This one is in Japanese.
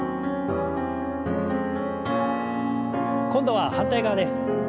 今度は反対側です。